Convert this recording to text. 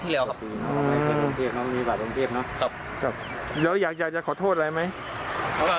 แล้วอยากอยากจะขอโทษอะไรไหม